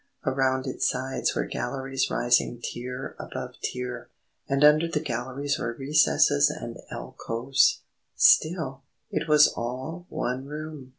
Around its sides were galleries rising tier above tier, and under the galleries were recesses and alcoves; still, it was all one room.